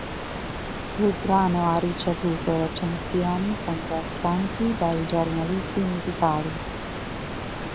Il brano ha ricevuto recensioni contrastanti dai giornalisti musicali.